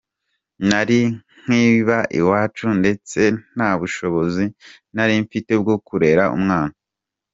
Nari nkiba iwacu ndetse nta bushobozi nari mfite bwo kurera umwana.